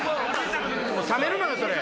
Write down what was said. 冷めるのよそれ。